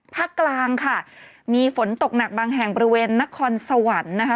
ภาคกลางค่ะมีฝนตกหนักบางแห่งบริเวณนครสวรรค์นะคะ